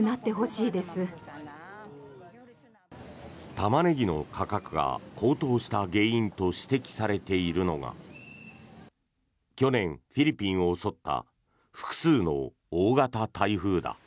タマネギの価格が高騰した原因と指摘されているのが去年、フィリピンを襲った複数の大型台風だ。